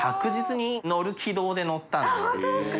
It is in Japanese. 本当ですか？